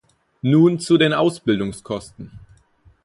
Nun zu den Ausbildungskosten.